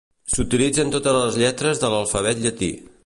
S'utilitzen totes les lletres de l'alfabet llatí.